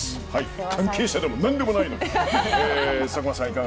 関係者でも何でもないですが。